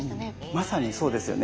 まさにそうですよね。